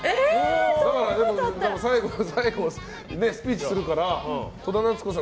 最後の最後スピーチするから戸田奈津子さん